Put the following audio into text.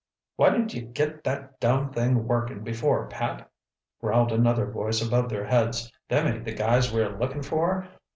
"Why didn't ye get that dum thing workin' before, Pat?" growled another voice above their heads. "Them ain't the guys we're lookin' for.